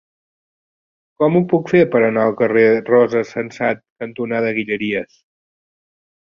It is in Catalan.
Com ho puc fer per anar al carrer Rosa Sensat cantonada Guilleries?